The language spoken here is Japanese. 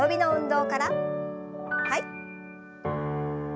はい。